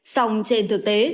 sòng trên thực tế